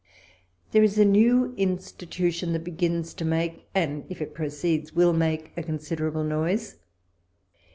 There is a new institution that begins to make, and if it proceeds, will make a considerable noise.